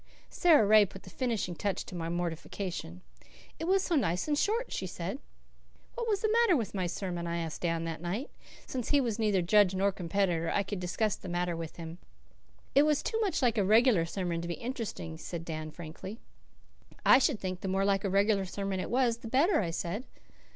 Sara Ray put the finishing touch to my mortification. "It was so nice and short," she said. "What was the matter with my sermon?" I asked Dan that night. Since he was neither judge nor competitor I could discuss the matter with him. "It was too much like a reg'lar sermon to be interesting," said Dan frankly. "I should think the more like a regular sermon it was, the better," I said.